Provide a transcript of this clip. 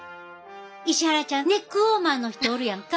石原ちゃんネックウォーマーの人おるやんか。